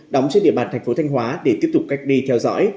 đóng trên địa bàn thành phố thanh hóa để tiếp tục cách ly theo dõi